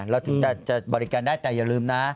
เราถึงจะบริการได้แต่อย่าลืมนะ